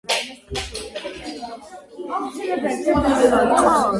პრეშოვის მხარის ადმინისტრაციული ცენტრი.